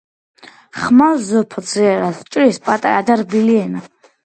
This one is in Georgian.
ხმალზე უფრო ძლიერად ჭრის პატარა და რბილი ენა